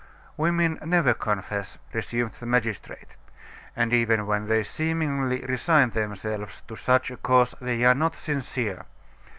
"Women never confess," resumed the magistrate; "and even when they seemingly resign themselves to such a course they are not sincere.